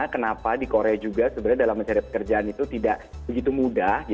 kenapa di korea juga sebenarnya dalam mencari pekerjaan itu tidak begitu mudah